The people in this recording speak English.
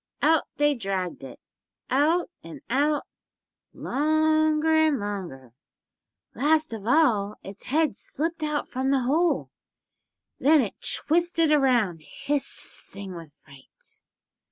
Out they dragged it, out and out, longer and longer. Last of all its head slipped out from the hole. Then it twisted around, hissing with fright.